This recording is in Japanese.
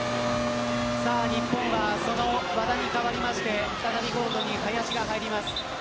日本は和田に代わりまして再びコートに林が入ります。